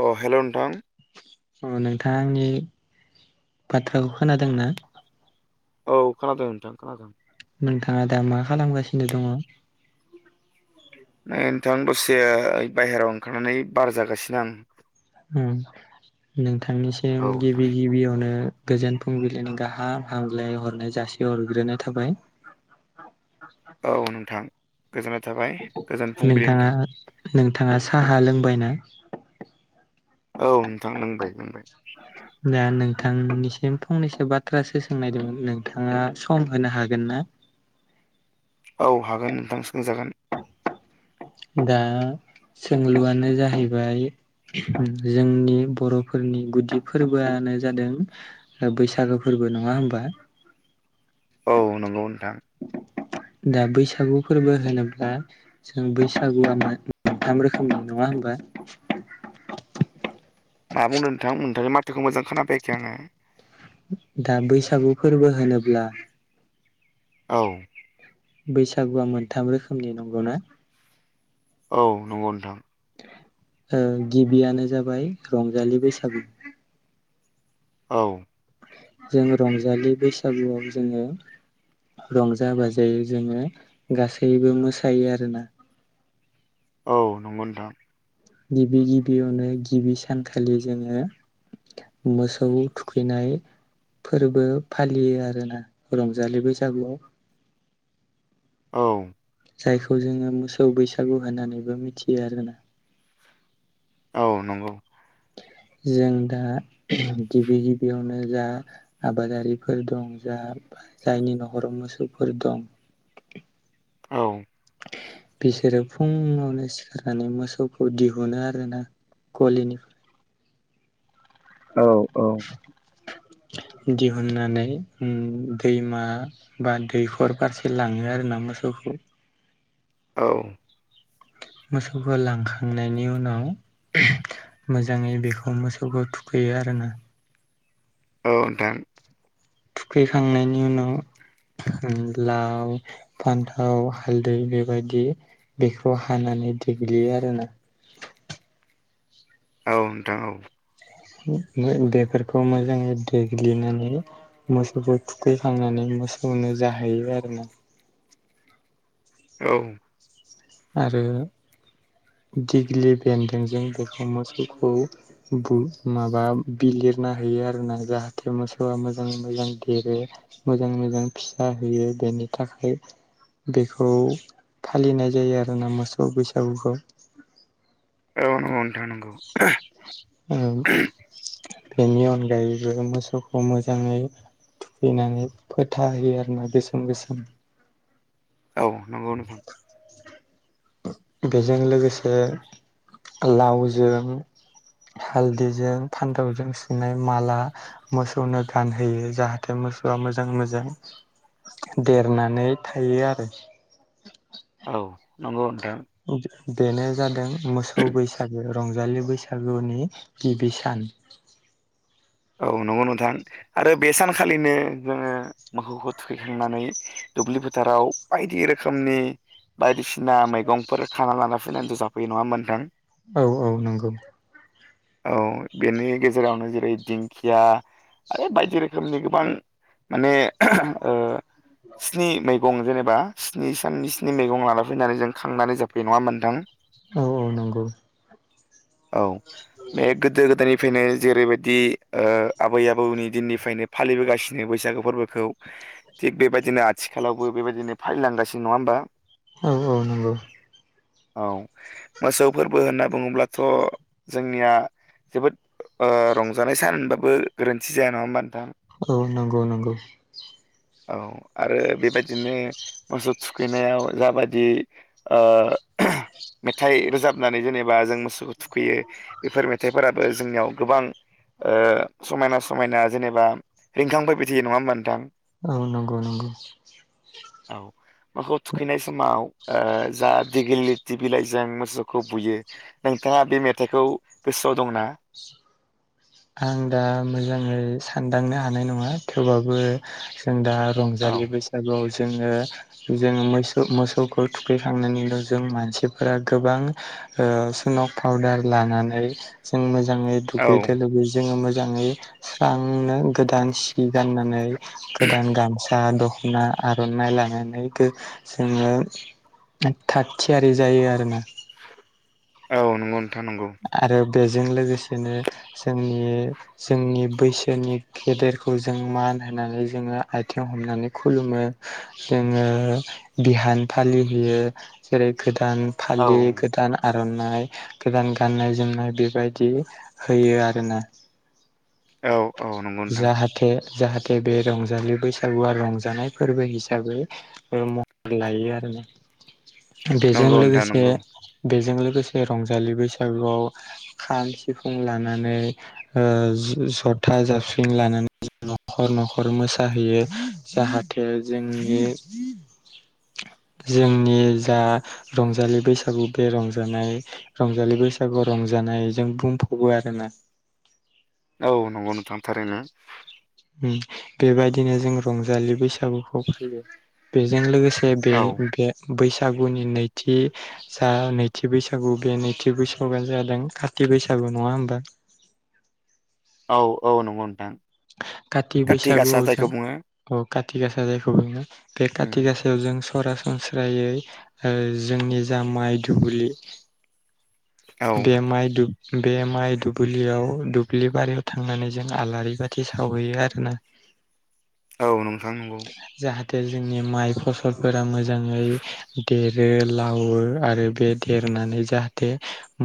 अ hello नोंथां। अ नोंथाङा आंनि बाथ्राखौ खोनादों ना? औ खोनादों नोंथां खोनादों। नोंथाङा दा मा खालामगासिनो दङ। नै नोंथां दसे बायहेरायाव ओंखारनानै बार जागासिनो आं। नोंथांनिसिम औ नोंथां। गिबि गिबियावनो गोजोन फुंबिलिनि गाहा हामलाय हरनाय जासि हरग्रोनाय थाबाय। औ नोंथां गोजोननाय थाबाय गोजोन फुंबिलि नोंथाङा नोंथां। नोंथाङा साहा लोंबाय ना? औ नोंथां लोंबाय लोंबाय। [inaudible] दा नोंथांनिसिम फंनैसो बाथ्रासो सोंनायदोंमोन नोंथाङा सम होनो हागोन ना? औ हागोन नोंथां सोंजागोन। दा सोंलुआनो जाहैबाय। जोंनि बरफोरनि गुदि फोरबोआनो जादों बैसागो फोरबो नङा होमबा? औ नंगौ नोंथां। दा बैसागु फोरबो होनोब्ला जों बैसागुआ मा मोनथाम रोखोमनि नङा होमबा [inaudible] मा बुंदों नोंथां? नोंथांनि माथोखौ मोजां खोनाफैयाखै आङो। दा बैसागु फोरबो होनोब्ला औ। बैसागुआ मोनथाम रोखोमनि नंगौ ना? औ नंगौ नोंथां। ओ गिबियानो जाबाय रंजालि बैसागु। औ। जोङो रंजालि बैसागुआव जोङो। रंजा बाजायै जोङो गासैबो मोसायो आरोना। औ नंगौ नोंथां। गिबि गिबियावनो गिबि सानखालि जोङो मोसौ थुखैनाय फोरबो फालियो आरोना रंजालि बैसागुआव। औ। जायखौ जोङो मोसौ बैसागु होननानैबो मिथियो आरोना। औ नंगौ। जों दा गिबि गिबियावनो जा आबादारिफोर दं जा जायनि नखराव मोसौफोर दं। औ। बिसोरो फुङावनो सिखारनानै मोसौखौ दिहुनो आरोना। गलिनि औ औ। दिहुननानै दैमा बा दैखर फारसे लाङो आरोना मोसौखौ। औ। मोसौखौ लांखांनायनि उनाव मोजाङै बेखौ मोसौखौ थुखैयो आरोना। औ नोंथां। थुखैखांनायनि उनाव लाव फान्थाव हालदै बेबायदि बेखौ हानानै देग्लियो आरोना औ नोंथां औ बेफोरखौ मोजाङै देग्लिनानै मोसौखौ थुखैखांनानै मोसौनो जाहैयो आरो ना औ आरो दिग्लि बेन्दों जों बेखौ मोसौखौ माबा बिलिरना होयो आरोना जाहाथे मोसौआ मोजाङै मोजां देरो मोजां मोजां फिसा होयो बेनि थाखाय बेखौ फालिनाय जायो आर ना मोसौ बैसागुखौ ओ नोंगौ नोंथां' [inaudible] बेनि अनगायैबो मोसौखौ मोजाङै थुखैनानै फोथा होयो आरो ना गोसोम गोसोम औ नंगौ नोंथां। बेजों लोगोसे लावजों हालदैजों फान्दावजों सुनाय माला मोसौनो गानहोयो जाहाथे मोसौआ मोजाङै मोजां देरनानै थायो आरो औ नंगौ नोंथां बेनो जादों मोसौ बैसागो रंजालि बैसागुनि गिबि सान औ नंगौ नोंथां आरो बे सानखालिनो जोङो मोसौखौ थुखैखांनानै दुब्लि फोथाराव बायदि रोखोमनि बायदिसिना मैगंफोर खाना लाना फैनानैसो जाफैयो नङामोनथां औ औ नंगौ औ बेनि गेजेरावनो जेरै दिंखिया आरो बायदि रोखोमनि गोबां माने स्नि मैगं जेनेबा स्नि साननि स्नि मैगं लाना फैनानै जों खांनानै जाफैयो नङा मोन्थां औ औ नंगौ औ बे गोदो गोदायनिफ्रायनो जेरैबायदि आबै आबौनि दिननिफ्रायनो फालिबोगासिनो बैसागो फोरबोखौ थिग बेबायदिनो आथिखालावबो बेबायदिनो फायलांगासिनो नङा होमबा औ औ नंगौ औ मोसौ फोरबो होनना बुङोब्लाथ' जोंनिया जोबोद रंजा रजानाय सान होनबाबो गोरोन्थि जाया नङा होनोमबा नोंथां औ नंगौ नंगौ औ आरो बेबायदिनो मोसौ थुखैनायाव जाबाददि मेथाइ रोजाबनानै जेनेबा जों थुखैयो बेफोर मेथाइफोराबो जोंनियाव गोबां समायना समायना जेनेबा रिंखांफोरबाय थायो नङा होमबा नोंथां औ नंगौ नंगौ औ मोखौ थुखैनाय समाव जा दिगेलिटि बिलाइजों मोसौखौ बुयो नोंथाङा बे मेथाइखौ गोसोआव दंना आं दा मोजाङै सानदांनो हानाय नङा थेवबाबो जों दा औ रंजालि बैसागुआव जोङो जोङो मोसौ मोसौखौ थुखैखांनायनि उनाव जों मानसिफोरा गोबां सुनक पाउदार लानानै जों मोजाङै औ दुगैदै जोङो मोजाङै स्रांनो गोदान सि गाननानै गोदान गामसा, दख'ना, आर'नाइ, लानानै जोङो थाग थियारि जायो आरो ना। औ नंगौ नोंथां नांगौ। आरो बेजों लोगोसेनो जोंनि जोंनि बैसोनि गेदेरखौ जों मान होनानै जोङो आथिं हमनानै खुलुमो। जोङो बिहान फालिहैयो जेरै गोदान औ फालि गोदान आर'नाइ गोदान गाननाय जोमनाय बेबायदि होयो आरो ना। औ औ नंगौ जाह नोंथां जाहाथे जाहाथे बे रंजालि बैसागुआ रंजानाय फोरबो हिसाबै मर लायो आरो न बेजों नंगौ नोंथां लोगोसे नंगौ बेजों लोगोसे रंजालि बैसागुआव खाम सिफुं लानानै जथा जाबफं लानानै न'खर न'खर मोसाहैयो जाहाथे जोंनि थ जोंनि जा रंजालि बैसागु बे रंजानाय रंजालि बैसागु रंजानायजों बुंफावो आरोना औ नंगौ नोंथां थारैनो। बेबायदिनो जों रंजालि बैसागुखौ फैयो बेजों लोगोसे जे औ बे बे बैसागुनि नैथि जा नैथि बैसागु बे नैथि बैसागुआ जादों खाथि बैसागु नङा होमबा? औ औ नंगौ नोंथां। काथि काति बैसागु गासा आव जों जायखौ बुङो अ काथि गासा जायखौ बुङो बे खाथि उम गासा ओ जों सरासनस्रायै जोंनि जा माइ दुब्लि औ बे माइ दुब बे माइ दुब्लियाव दुब्लि बारियाव थांनानै जों आलारि बा थि सावहैयो आरोना। औ नोंथां नंगौ। जाहाथे जोंनि माइ फसलफोरा मोजाङै देरो लावो आरो बे देरनानै जाहाथे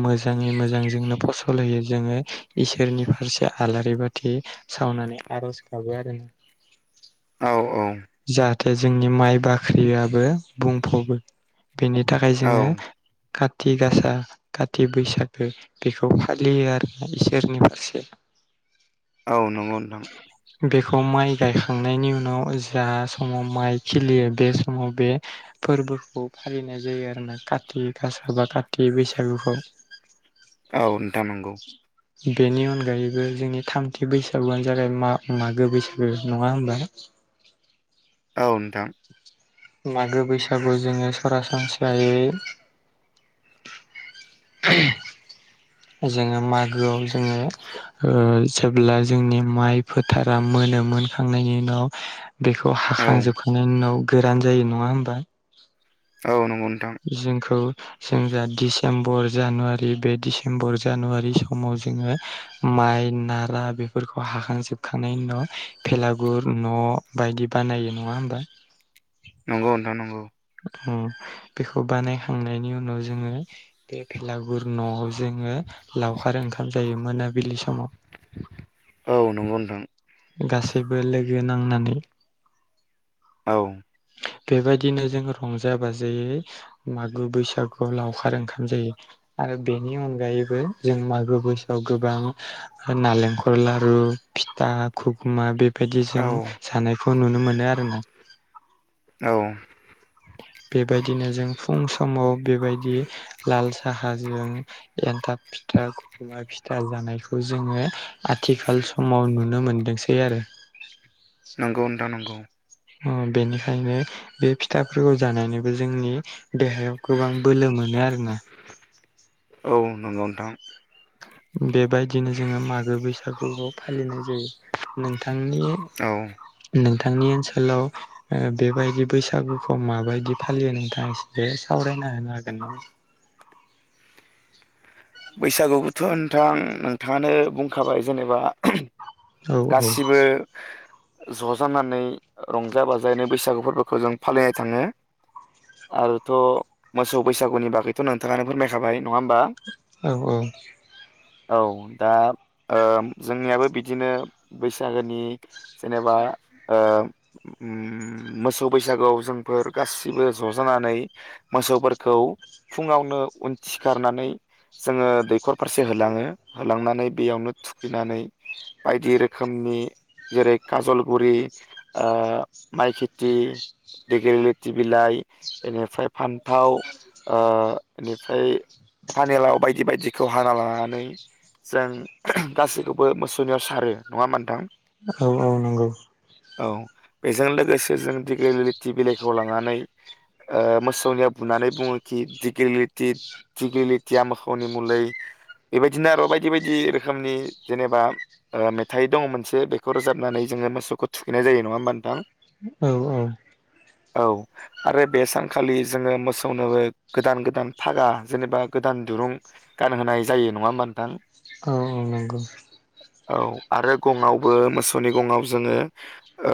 मोजाङै मोजां जोंनो फसल होयो जोङो इसोरनि फारसे आलारि बाथि सावनानै आर'ज गाबो आरो ना। औ औ। जाहाथे जोंनि माइ बाख्रियाबो बुंफबो। बेनि थाखाय औ जोङो काथि गासा काति बैसागो बेखौ फालियो आरो ना इसोरनि फारसे। औ नंगौ नोंथां। बेखौ माइ गायखांनायनि उनाव जा समाव माइ खिलियो बे समाव बे फोरबोखौ फालिनाय जायो आरो ना काति गासा बा कति बैसागुखौ। औ नोंथां नंगौ। बेनि अनगायैबो जोंनि थामथि बैसा सागुआनो जाबाय मा-मागो बैसागो नङा होनबा? औ नोंथां। मागो बैसागु जोङो सरासनस्रायै [inaudible] जोङो मागोआव जोङो ओ जेब्ला जोंनि माइ फोथारा मोनो, मोनखांनायनि उनाव बेखौ औ हाखांजोबखांनायनि उनाव गोरान जायो नङा हबा? औ नंगौ नोंथां। जोंखौ जों जा डिसेम्बर जानुवारि बे दिसे दिसेेम्बर जानुवारि समाव जोंङो माइ नारा बेफोरखौ हाखांजोब खानायनि उ न' भेलागुर न' बायदि बानायो नंङा होमबा नंगौ नोंथां नंगौ। उम बेखौ बानायखांनायनि उनाव जोङो बे भेलागुर न' जोंङो लावखार ओंखाम जायो मोनाबिलि समाव औ नंगौ नोंथां। गासैबो लोगो नांनानै औ बेबायदिनो जोङो रंजा बाजायै मागो बैसागुआव लावखार ओंखाम जायो आरो बे बेनि अनगायैबो जों मागो बैसोआव गोबां नालेंखर लारु फिथा खखुमा बे बायदि जों औ जानायखौ नुनो मोनो आरो ना। औ। बेबायदिनो जों फुं समाव बेबायदि लाल साहाजों एनथाब फिथा मा फिथा जानायखौ जोङो आथिखाल समाव नुनो मोनदोंसै आरो। [inaudible] नंगौ नोंथां नंगौ उम बेनिखायनो बे फिथाफोरखौ जानायनिबो जोंनि देहायाव गोबां बोलो मोनो आरोना। औ नंगौ नोंथां। बेबायदिनो जोंङो मागो बैसागुबो फालिनाय जायो। नोंथांनि औ नोंथांनि ओनसोलाव ओ बेबायदि बैसागुखौ माबायदि फालियो नोंथाङ बे सावरायना होनो हागोन ना? [inaudible] बैसागु बुथ' नथां नोंथाङानो बुंखाबाय जेनेबा औ गासिबो ज' जानानै रंजा बाजायैनो बैसागु फोरबोखौ जों फालिनाय थाङो। आरोथ' मोसौ बैसागुनि बागैथ' नोंथाङानो फोरमायखाबाय नङा ह होनोमबा औ औ औ दा ओ जोंनियाबो बिदिनो बैसागोनि जेनेबा ओ ओम मोसौ बैसागुोआव जोंफोर गासिबो ज'जानानै मोसौफोरखौ फुङावनो उनथिखारनानै जोंङो दैखर फारसे होलांङो होलांनानै बेयावनो थुखैनानै बायदि रोखोम रोखोमनि जेरै काजलगुरि ओ माइ खेथि दिगेल लोथि बिलाइ बेनिफ्राय फान्थाव ओ बेनिफ्राय पानेलाव बायदि बायदिखौ हाना लानानै जों गासैखौबो मोसौनियाव सारो नङा मोनथां औ औ नंगौ औ बेजों लोगोसे जों दिग ललिथि बिलाइखौ लानानै ओ मोसौनिया बुनानै बुङोखि डिगलिलिटि दिगलि तिया मोसौनि मुलै बेबायदिनो आरो' बायदि बायदि रोखोमनि जेनेबाओ फिथाइ दंङ मोनसे बेखौ रोजाबनानै जोंङो मोसौखौ थुखैनाय जायो नंङा होमबा नोंथां औ औ औ आरो बे सानखालि जोंङो मोसौनो गोदान गोदान फागा जेनेबा गोदान दुरुं गानहोनाय जायो नंङा होमबा नोंथां औ औ नंगौ औ आरो गंआवबो मोसौनि गंङआव जोंङो ओ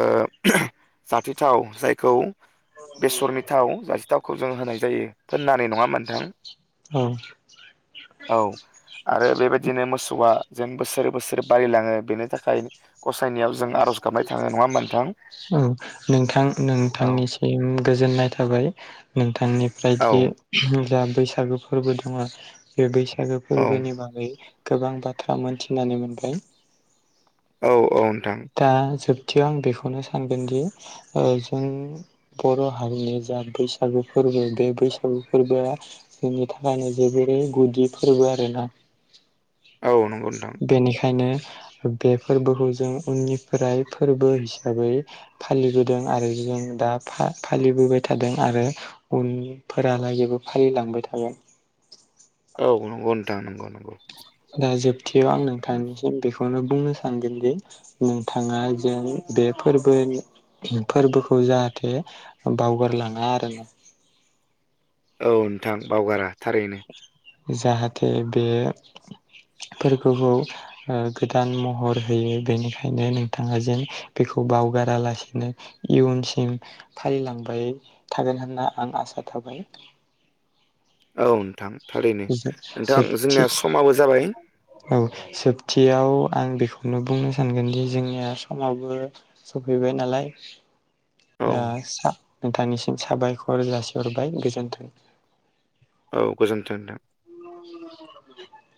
जाथिथाव जायखौ बेसरनि थाव जासे थावखौ जों होनाय जायो फोननानै नंङा होनबा नोंथां औ औ आरो बेबायदिनो मोसौआ जेन बोसोर बोसोर बारिलाङो बेनि थाखायनो जों आर'ज गाबनाय थांनाय नंङा औ नोंथां औ नोंथांनिसिम गोजोननाय थाबाय। औ नोंथांनिफ्रायदि जा बैसागो फोरबो दंङ बे बैसागो औ फोरबोनि बागै गोबां बाथ्रा मोनथिनानै मोनबाय। औ औ नोंथां दा जोबथियाव आं बेखौनो सानगोनदि जों बर' हारिनि जा बैसागु फोरबो बे बैसागु फोरबोआ जोंनि थाखायनो जोबोरै गुदि फोरबो आरोना औ नंगौ नोंथां बेनिखायनो बे फोरबोखौ जों उननिफ्राय फोरबो हिसाबै फालिबोदों आरो जों दा फालिबोबाय थादों आरो उनफोरालागैबो फालिलांबाय थागोन। औ नंगौ नोंथां नंगौ नंगौ दा जोबथियो आं नोंथांनिसिम बेखौनो बुंनो सानगोनदि नोंथांङा जों बे फोरबोनि फोरबोखौ जाहाथे बावगारलांङा आरो ना औ नोंथां बावगारा थारैनो जाहाथे बे फोरबोखौ ओ गोदान महर होयो बेनिखायनो नोंथांङा जेन बेखौ बावगारालासिनो इयुनसिम फालिलांबाय थागोन होनना आं आसा थाबाय। औ नोंथां थारैनो नोंथां जोबथि जोंनिया समाबो जाबाय। औ सोबथियाव आं बेखौनो बुंनो सानगोनदि जोंनिया समाबो सफैबाय नालाय औ ओ नोंथांनिसिम साबायखर जासिहरबाय गोजोन्थों। औ गोजोन्थों नोंथां [inaudible]